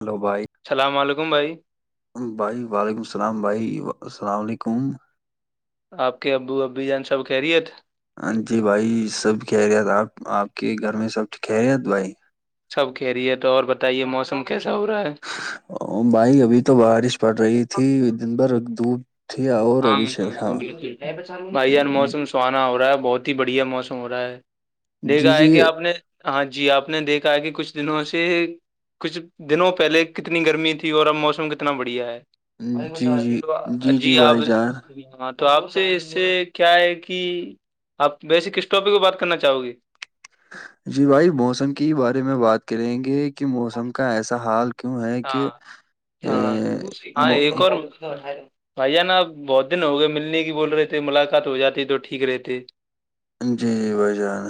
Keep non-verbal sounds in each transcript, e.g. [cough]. hello بھائی السلام علیکم بھائی بھائی وعلیکم السلام بھائی السلام علیکم آپ کے ابو ابی جان سب کہہ رہیے تھے یہ سب خہریت آپ آپ کے گھر میں سب خہریت بھائی سب کہہ رہی ہے تو اور بتائیے موسم کیسا ہو رہا ہے بھائی ابھی تو بارش پڑ رہی تھی دن بھر دھوپ اٹ آ اور ہاں ربھی شک ہاں، ہاں، شام بالکل بھائی ار موسم سہانا ہو رہا ہے بہت ہی بڑھیا موسم ہو رہا ہے جی دیکھا ہے جی کہ آپ نے ہاں جی آپ نے دیکھا ہے کہ کچھ دنوں سے کچھ دنوں پہلے کتنی گرمی تھی اور اب موسم کتنا بڑھیا ہے جی ب جی ب جی آپ بھائی جان اں تو آپ سے اس سے کیا ہے کہ آپ بیس کس ٹاپک میں بات کرنا چاہو گی جی بھائی موسم کی بارے میں بات کریں گے کہ موسم کا ایسا حال کیوں ہے کہ ہاں ا تو بھائییا نا آب بہت دن ہو گئے ملنے کی بول رہے تھے ملاقات ہو جاتی تو ٹھیک رہتے جی جی بھائی جان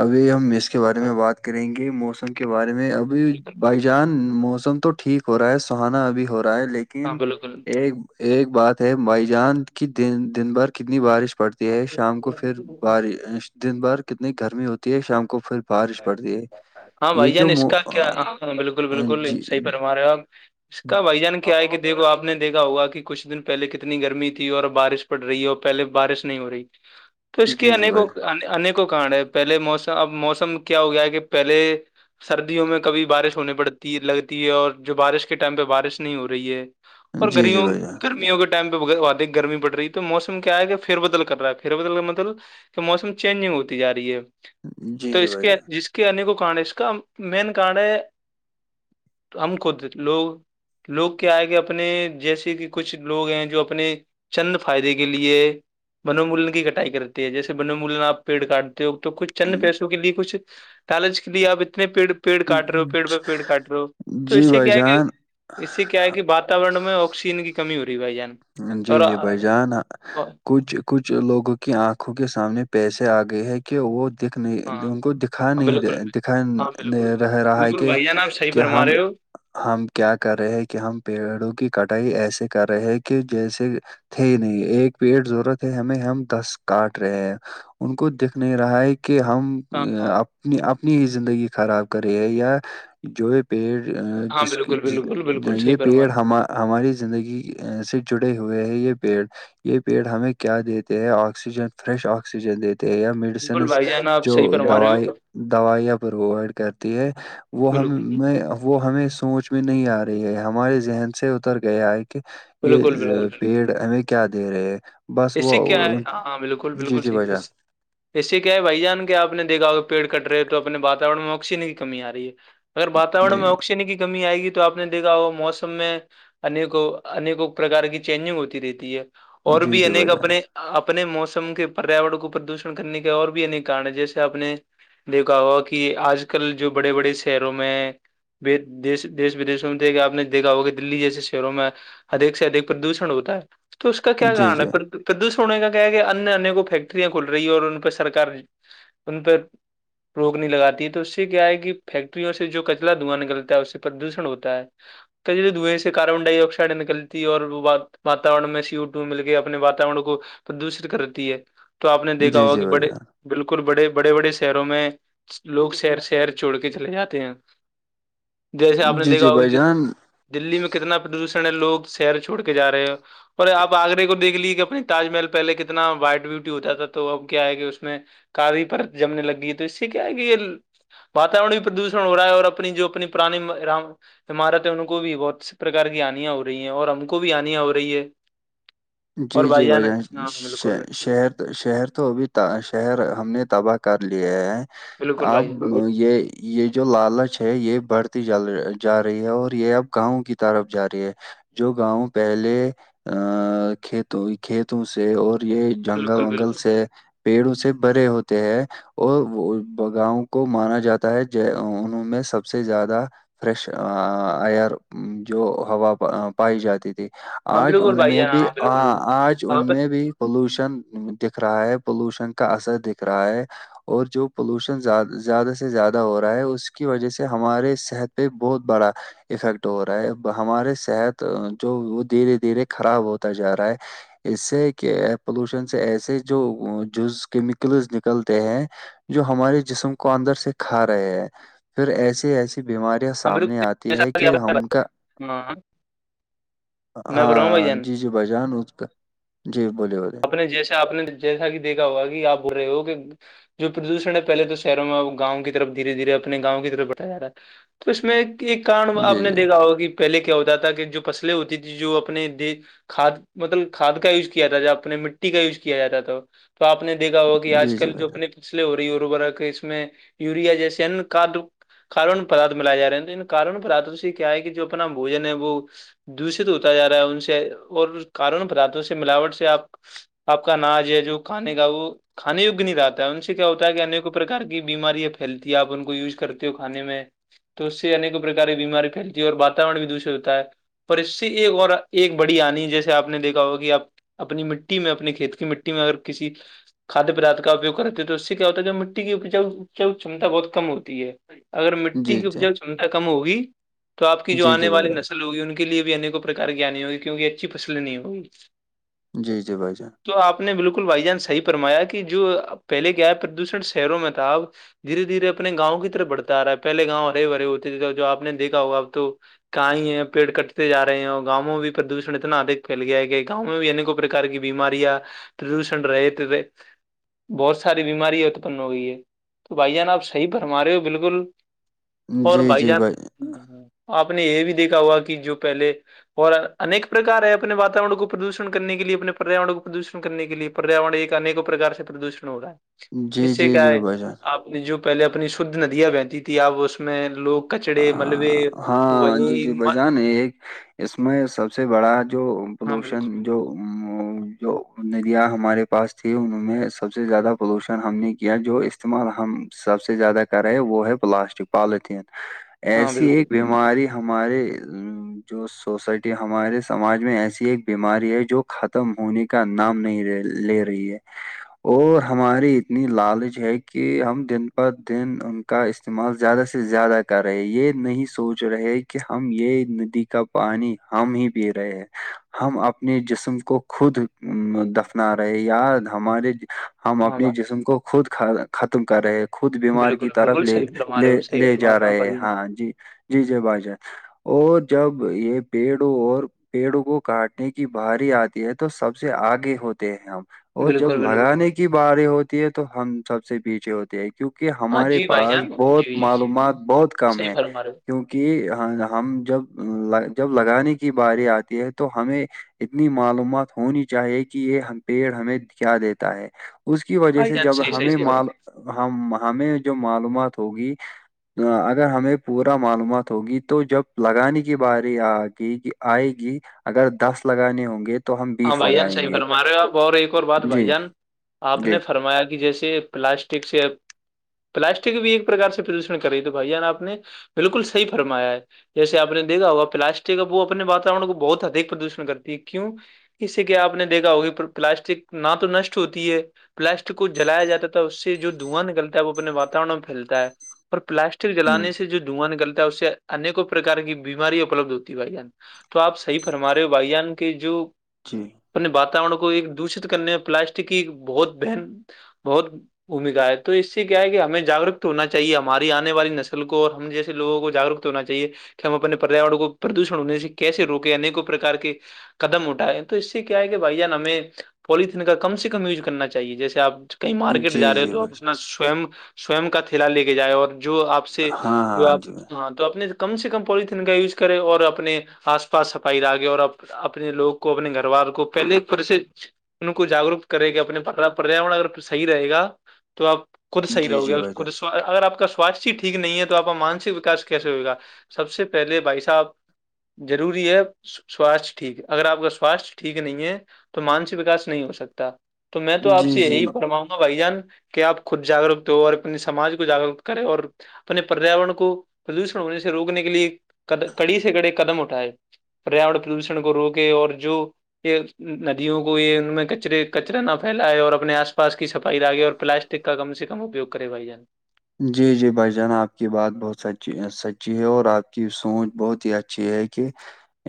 ابھی ہم اس کے بارے میں بات کریں گے موسم کے بارے میں ابھی بھائی جان موسم تو ٹھیک ہو رہا ہے سہانا ابھی ہو رہا ہے ہاں لیکن بالکل ایک بات ہے مائیجان کی دن بھر کتنی بارش پڑتی ہے شام کو پھر بارش دن بھر کتنی گرمی ہوتی ہے شام کو پھر بارش پڑتی ہے ہاں یہ بھیا جو نے اس مو کا آ، کیا ہاں ہاں بالکل آ، بالکل جی صحی پرم رہے ہو آپ اس کا بائیجان کیا کیائے کہ دیکو آپ نے دیکھا ہوا کہ کچھ دن پہلے کتنی گرمی تھی اور بارش پڑ رہی ہے اور پہلے بارش نہیں ہو رہی تو اس جی جی بھائی کےیکوںیکوں کار ہے پہلے موسم اب موسم کیا ہو گیا ہے کہ پہلے سردیوں میں کبھی بارش ہونے پڑتی لگتی ہے اور جو بارش کے ٹائم پہ بارش نہیں ہو رہی ہے اور جی جی گریوں بھائی جان گرمیوں کے ٹم پہدے گرمی پڑ رہی ہے تو موسم کیا ہے کہ فر بدل کر رہا ہے پر بدل کر مدل کہ موسم چینجنگ ہوتی جا رہی ہے جی تو جی اس بھائی کے جان جس کے انیکوں کن ہے اس کا مین کن ہے ہم خود لوگ لوگ کیا آئے کہ اپنے جیسے کہ کچھ لوگ ہیں جو اپنے چند فائدے کے لیے بنمولن کی کٹائی کرتی ہے جیسے بنمولن آپ پیڑ کاٹتے ہو تو کچھ چ پیسوں کے لیے کچھ لالچ کے لیے اپ اتنے پیڑ پیڑ کاٹ رہے ہو پیڑ ب پیڑ کاٹ رہ ہو تو جی اس سے بھائی کیا ہے کہ جان اس سے کیا ہے کہ واتاورن میں آکسیجن کی کمی ہو رہی ہے بھائی جان اور جی جی بھائی جان کچھ کچھ لوگوں کی آنکھوں کے سامنے پیسے آ گئے ہے کہ وہ دکھ نہیں ہاں ان کو دکھا نہیں بالکل دکھا ہاں بالکل رہ رہا ہے بالکل کہ بھائی جان آپ صحیح کیا فرما ہم رہے ہو ہم کیا کر رہے ہیں کہ ہم پیڑوں کی کٹائی ایسے کر رہے ہیں کہ کہ جیسے تھے نہیں ایک پیڑ ضرورت ہے ہمیں ہم دس کاٹ رہے ہیں ان کو دیکھ نہیں رہا ہے کہ ہم ہاں ہاں اپنی اپنی زندگی خراب کرے یا جو یہ پیڑ ہاں جس کی بالکل بالکل ج بالکل صحیح یہ فرما پیڑ رہے، ہم ہماری زندگی سے جڑے ہوئے ہیں یہ پیڑ یہ پیڑ ہمیں کیا دیتے ہیں آکسیجن فریش آکسیجن دیتے ہیں بالکل میڈیسنز بھائی جان آپ جو صحیح فرما رہے ہو دویں دوائیاں پرووائڈ کرتی ہے وہ ہم بالکل میں وہ ہمیں سوچ میں نہیں آ رہی ہے ہمارے ذہن سے اتر گیا ہے کہ بالکل بالکل یہ پیڑ ہمیں کیا دے رہے ہے کک کیا ہے ہاں ہاں بالکل بالکل جی صحیح بھائی جان اس سے کیا ہے بھائی جان کہ آپ نے دیکھا ا پیڑ کٹ رہے ہیں تو اپنے واورن میں آکسیجن کی کمی آ رہی ہے اگر واتاورن جی میں آکسیجن کی کمی آئے گی تو آپ نے دیکھا وہ موسم میں انیکوں انیکوں پرکار کی چینجنگ ہوتی رہتی ہے اور جی جی بھی جی بھائی انیک اپنے جان اپنے موسم کے پریاور کو پردوشن کرنے کے اور بھی انیک کارن ہیں جیسے اپنے دیکھا ہوا کہ آج کل جو بڑے بڑے شہروں میں دی دیش ودشوں میں تھ کہ آ نے دیکھا ہو کہ دلی جیسے شہروں میں ادک سے ادھ پردوشن ہوتا ہے تو اس کا کیا جی گان ہے جی پردوشن ہونے کا کیا کہ انیہ ان کو فیکٹریاں کھول رہی ہے اور ان پہ سرک ان پ روک نہیں لگاتی ہے تو اس سے کیا ہے کہ فیکٹریوں سے جو کچلا دھواں نکلتا ہے اس سے پردوشن ہوتا ہے ے دوئیں سے کاربن ڈائی آکسائڈ نکلتی ہے اور وہ واورن میں سیٹ مل گ اپنے وااتورن کو پردوشت کرتی ہے تو آپ نے دیکھا جی ہوگا جی کہ بھائی بڑے جان بالکل بڑے بڑے بڑے شہروں میں لوگ شر شہر چھوڑ کے چلے جاتے ہیں جیسے آپ نے جی دیکھا جی بھائی ہوگی جان دللی میں کتنا پردوشن ہے لوگ شہر چھڑ کے جا رہے ہیں اور آپ آگرے کو دیکھ لیے کہ اپنے تاج محل پہلے کتنا وائٹ ب بیوٹی ہوتا تھا تو اب کیا ہے کہ اس میں کدی پر جمنے لگ گی ہے تو اس سے کیا ہے کہ یہ وااتاورن بھی پردوشن ہو رہا ہے اور اپنی جو اپنی پرانی ہمارات ان کو بھی بہت سی پرکار کی آانیاں ہو رہی ہیں اور ہم کو بھی آنیاں ہو رہی ہے اور جی جی بھائی بھ جان ہاں بالکل شہر شہر تو اب شہر ہم نے تباہ کر لیے ہے بالکل اب بھائی جان یہ یہ جو لالچ ہے یہ بڑھتی جل جا رہی ہے اور یہ اب گاؤں کی طرف جا رہی ہے جو گاؤں پہلے ا کھیتوں کھیتوں سے اور یہ جنگل بالکل ونگل بالکل سے پیڑ اس سے بھرے ہوتے ہیں اور ب گاؤ کو مانا جاتا ہے ج انوں میں سب سے زیادہ فریش ایئر جو ہوا پائی جاتی تھی ہاں آج بالکل ان بھائی میں جان بھی ہاں بالکل آج ہاں ان میں بھی پولوشن دکھ رہا ہے پولوشن کا اثر دکھ رہا ہے اور جو پولوشن زیادہ سے زیادہ ہو رہا ہے اس کی وجہ سے ہمارے صحت پہ بہت بڑا افیکٹ ہو رہا ہے ہمارے صحت جو وہ دھیرے دھیرے خراب ہوتا جا رہا ہے اس سے کہ پولوشن سے ایسے جو جز کیمیکلز نکلتے ہیں جو ہمارے جسم کو اندر سے کھا رہے ہیں پھر ایسی ایسی بیماری بالکل، سامنے آتی ہے کہ ان کا ہاں میں بھروں بھائی ہاں جان ج بجان اس کا جی بولے بولے آپ نے جیسا آپ نے جیسا کہ دیکھا ہوا آپ بول رہے ہو کہ جو پردوشن ہے پلے تو شہروں میں اب گاؤں کی طف دھیرےھیے اپنے گاؤں کی طرف بٹا جا رہا تو اس میں ایک کارن آپ جی نے جی دیکھا ہوگا کہ پہلے کیا ہوتا تھا کہ جو فصلیں ہوتی تھی جو اپنے د کھاد مطلب کھاد کا یوز کیا تھا جب نی مٹی کا یوز کیا جاتا تھا تو آپ نے دیکھا ہوگا کہ آج جی جی کل جو بھائی اپنے جان فلے ہو رہی ہے اورربر کہ اس میں یوریا جیسے ان کڈ کارون پدھ ملاائے ج رہے ہیں کارون پدات کیا ہے کہ جو اپنا بوجن ہے وہ دوشت ہوتا ج رہا ہے ان سے اور کارون پدارتوں سے ملاوٹ سے آپ آپ کا ناج ہے جو کھانے کا وہ کھانے یگ نہیں رہتا ہے ان سے کیا ہوتا ہے کہ انیک پرکار کی بیماریاں پھیلتی ہے آپ ان کو یوز کرتے ہو کھانے میں تو اس سےیک پرکاراری بیماری پھیلتی ہے اور واورن بھی دشت ہوتا ہے پر اس سے ایک اور ایک بڑی آنی جیسے آپ نے دیکھا ہو کہ آپ اپنی م مٹی میں اپنے کھیت کی مٹی میں اگر کسی کھاد پدارھ کا اپیوگ کرتے ہیں تو اس سے کیا ہوتا ہے جو مٹی کی کھمتا بہت کم ہوتی ہے اگر مٹی جی کی جی اپجا چمتا کم ہوگی تو آپ کی جو جی آنے جی بھائی والی جان نسل ہوگی ان کی کے لیے بھی انیک پرک گنی ہوگی کیونک اچھی فسل نہیں ہوگی جی جی بھائی جان تو آپ نے بالکل بھائی جان صحیح فرمایا کہ جو پہلے کیا ہے پردوشن شہروں میں تھا دھیرے دھیرے اپنے گاؤں کی طرف بڑھتا رہا ہے پہلے گاؤں ہرے بھرے ہوتے تھے تو ج آپ نے دیکا ہوگا اب تو کہئی ہیں پیڑ کٹتے ج رہے ہیں اور گاؤں میں بھی پردوشن اتنا ادھک پھیل گیا ہے کہ گاؤں میں یعنی کو پرکار کی بیماریاں پردوشن رہے تھے بہت ساری بیمارییاں اتپن ہو گئی ہے تو بھائی جان آپ صحیح بھرما رہے ہو بالکل اور جی بھائی جی جان آپ نے یہ بھی دیکھا ہوا کہ جو پہلے اور ایک پرکار ہے اپنے وااتاورن کو پردوشن کرنے کے لیے اپنے پریاور کو پردوشن کرنے کے لیے پریاور ایک انیکوں پرکار سے پردوشن ہوگا ہے جی اس سے جی کیا جی ہے بھائی جان آپ نے جو پہلے اپنی شھ ندیاں بہنتی تھی آپ اس میں لوگ کچڑے ہ ملبے ہاں جی وہی جی بھ جان ایک اس میں سب سے بڑا جو ہاں پولوشن بالکل جو جو ندیاں ہمارے پاس تیں ان میں سب سے زیادہ پولوشن ہم نے کیا جو استعمال ہم سب سے زیادہ ا ہے وہ ہے پلاسٹک پالیتھیین ہاں ایسی بالکل ایک بیماری ہمارے جو سوسائٹی ہمارے سماج میں ایسی ایک بیماری ہے جو ختم ہونے کی کا نام نہیں لے رہی ہے اور ہماری اتنی لالچ ہے کہ ہم دن پر دن ان کا م زیادہ زیادہ [unintelligible] کر رہے یہ نہیں سوچ رہے کہ ہم یہ ندی کا پانی ہم ہی پی رہے ہیں ہم اپنے جسم کو خود دفنا رہے یا ہمارے ہم ہاں اپنی جسم کو خود ختم کر رہے خود بیمار کی بالکل طرف بالکل لے صحیح فرما رہے لے ہو صحیح لے فرما جا ہو رہے بھائی ہاں جی جی جی بھائی جان اور جب یہ پیڑوں اور پیڑوں کو کاٹنے کی بھاری آتی ہے تو سب سے آگے ہوتے ہیں ہم اور جب بالکل بالکل لگانے کی باری ہوتی ہے تو ہم سب سے پیچھے ہوتی ہے کیونکہ ہاں ہمارے جی بھائی پاس جان جی بہت جی جی معلومات بہت کم صحیح ہے فرما رہے ہو کیونکہ کہ ہم جب جب لگانے کی باری آتی ہے تو ہمیں اتنی معلومات ہونی چاہیے کہ یہ پیڑ ہمیں کیا دیتا ہے اس کی وجہ بھائی سے جان جب صحیح صحیح ہمیں صحیح ہم ہمیں جو معلومات ہوگی اگر ہمیں پورا معلومات ہوگی تو جب لگانے کی باری آ گئی آئے گی اگر دس لگانے ہوں گے تو ہم ہاں بیس بھائی جان لگائیں صحیح گے فرما رہے ہو آپ اور ایک اور بات بھائی جی جان آپ نے جی فرمایا کہ جیسے پلاسٹک سے پلاسٹک بھی ایک پرکار سے پردوشن کر رہی تو بھائی جان آپ نے بالکل صحی فرمایا ہے جیسے آپ نے دیکھا ہوگا پلاسٹک اب وہ اپنے واورن کو بہت ادک پردوشن کرتی ہے کیوں اس سے کہ آپ نے دیکھا ہوگی پلاسٹک نہ تو نشٹ ہوتی ہے پلاسٹک کو جلایا جاتا تھا اس سے جو دھواں نکلتا ہے وہ اپنے واورن میں پھیلتا ہے اور پلاسٹک جلانے سے جو دھواں نکلتا ہے اس سے انیکوں پرکار کی بیمارییا اپلبد ہوتی بھائی جان تو آپ صحی فرما رہے ہو بھائی جان کے جو جی اپنے واتورن کو ایک دوشت کرنے میں پلاسٹک کی بہت بن بہت بھومکا ہے تو اس سے کیا ہے کہ ہمیں جاگروک ہونا چاہیے ہماری آنے والی نسل کو اور ہم جیسے لگوں کو جاگروک ہونا چاہیے کہ ہم اپنے پریاور کو پردوشن ہونے سے کیسے روکے ایکوں پرار کے قدم اٹھائے تو اس سے کیا ہے کہ بھائی جان ہمیں پولیتھیین کا کم سے کم یوز کرنا چاہیے جیسے آپ کہئی مارکیٹ جی جا رہے ہو جی تو بھائی اپنا سو سوم کا تھیلا لے کے جائے اور جو آپ جان سے ہاں جو ہاں جی آپ ہاں تو آنے کم سے کم پولیتین کا یوز کرے اور اپنے آس پاس صفائی لاگے اور اپنے لوگ کو اپنے گھر وار کو پہلے پرسھ ان کو جاگروک کرے گا اپنے پریاور اگر صحی رہے گا تو آپ خود صح جی رہو جی گے بھائی جان خ اگر آپ کا سوستھ ہی ٹھیک نہیں ہے تو آپ کا مانسک وکاس کیسے ہوئے گا سب سے پہلے بھائی صاحب ضروری ہے سواستھ ٹھیک ہے اگر آپ کا سواستھ ٹھیک نہیں ہے تو مانسی وکاس نہیں ہو سکتا تو میں تو آپ جی سے جی یہی فرماؤں گا بھائی جان کہ آپ خود جاگروک ہو اور اپنے سماج کو جاگرک کریں اور اپنے پریاورن کو پردوشن ہونے سے روکنے کے لیے کڑی سے کڑے قدم اٹھائے پریاور پردوشن کو روکے اور جو یہ ندیوں کو یہ ان میں کچرے کچرا نہ پھیلائے اور اپنے آس پاس کی صفائی لاگے اور پلاسٹک ٹکا کم سے کم اپیوگ کرے بائی جان جی جی بھائی جان آپ کی بات بہت سچی سچی ہے اور آپ کی سوچ بہت ہی اچھی ہے کہ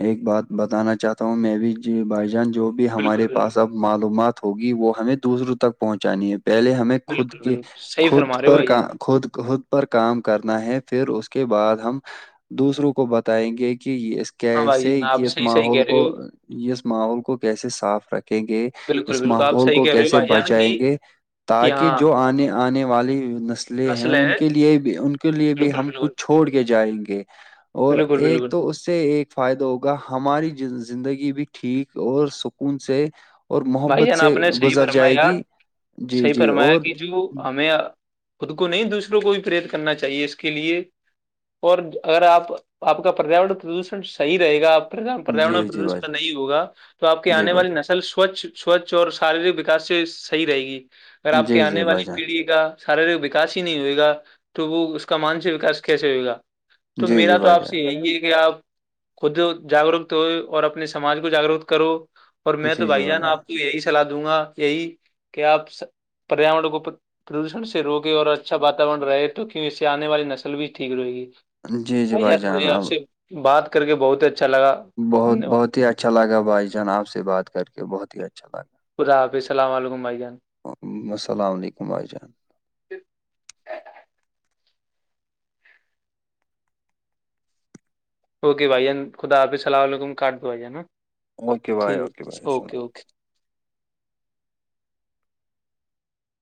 ایک بات بتانا چاہتا ہوں میں بھی ج بائی جان جو بھی ہمارے پاس اب معلومات ہوگی وہ ہمیں دوسروں تک پہنچانی ہے پہلے ہمیں خود کے صحیح خود فرما رہے ہو پر بھائی کا جان خود خود پر کام کرنا ہے پھر اس کے بعد ہم دوسروں کو بتائیں گے کہ یہ ہاں بھائی کیسے جان آپ کہ اس صحیح صحیح ماحول کہہ رہے کو ہو اس ماحول کو کیسے صاف رکھیں گے بالکل اس بالکل آپ ماحول صحیح کو کہہ رہے ہو کیسے بھائی جان بچائیں کی گے کہ تاکہ ہاں جو آنے آنے والی نسلیں ہیں نسل ان ہے کے لیے بھی ان کے لیے بھی بالکل ہم کچھ بالکل چھوڑ کے جائیں گے اور بالکل ایک بالکل تو اس سے ایک فائدہ ہوگا ہماری زندگی بھی ٹھیک اور سکون سے اور بھائی محبت جان سے آپ نے صحیح گزر جائے فرمایا گی جی صحیح جی فرمایا اور کہ جو ہمیں خود کو نہیں دوسروں کو بھی پرییرت کرنا چاہیے اس کے لیے اور اگر آپ آپ کا پریاورن پردوشن صحیح رہے گا آپ پریاورن اور جی جی بھائی پردوشن جان نہیں ہوگا تو آپ کی جی آنے بھائی والی نسل سوچھ سوچھ اور شارییرک وکاس سے صحیح رہے گی اگر جان آپ کی جی آنے جی والی بھائی جان پیڑھی کا شارییرک وکاس ہی نہیں ہوئے گا تو وہ اس کا مانسک وکا کیسے ہوئے گا تو جی میرا جی تو بھائی آپ سے جان یہی ہے کہ آپ خود جاگروک ہو اور اپنے سماج کو جاگروک کرو اور میں تو بھائی جان آپ یہی سلاح دوں گا یہی کہ آپ پریاور کو پردوشن سے روکے اور اچھا واتاورن رہے تو کیوں اس سے آنے والی نسل بھی ٹھیک رہے گی جی جی بھائی یار جان مجھے آپ اب سے بات کر کے بہت ہی اچھا لگا بہت دھنیہ واد بہت ہی اچھا لگا بھائی جان آپ سے بات کر کے بہت ہی اچھا لگا خدا حافظ سلام علیکم بھائی جان سلام علیکم بائی جان اوکے بھائی جان خدا آپ صلام علیکم کاٹ دو بھائی جان نا اوکے بھائی ٹھیک ہے اوکے بھائی اوکے السلام اوکے